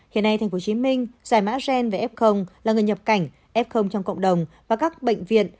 hiện nay tp hcm giải mã gen về ép không là người nhập cảnh ép không trong cộng đồng và các bệnh viện